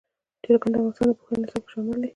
چرګان د افغانستان د پوهنې نصاب کې شامل دي.